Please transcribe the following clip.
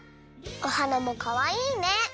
おはなもかわいいね！